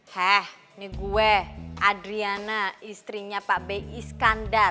heh ini gue adriana istrinya pak be iskandar